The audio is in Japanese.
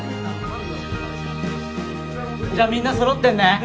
じゃあみんな揃ってんね。